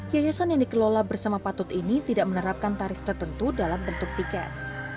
yayasan yang dikelola bersama patut ini tidak menerapkan tarif tertentu dalam bentuk tiket